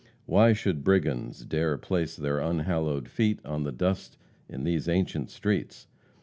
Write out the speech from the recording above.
Why should brigands dare place their unhallowed feet on the dust in these ancient streets?